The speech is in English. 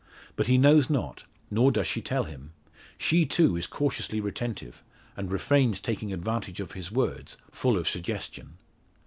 But he knows not, nor does she tell him. She, too, is cautiously retentive, and refrains taking advantage of his words, full of suggestion.